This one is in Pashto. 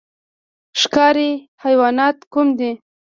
ښکاري حیوانات کوم دي؟